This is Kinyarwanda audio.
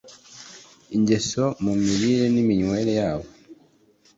ingeso mu mirire niminywere yabo